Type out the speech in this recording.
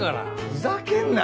ふざけんなよ！